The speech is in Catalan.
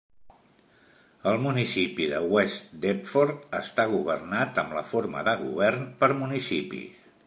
El municipi de West Depford està governat amb la forma de govern per municipis.